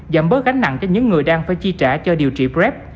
giảm bớt gánh nặng cho những người đang phải chi trả cho điều trị prep